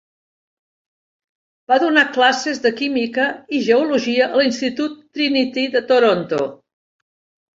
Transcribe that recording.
Va donar classes de química i geologia a l'institut Trinity de Toronto.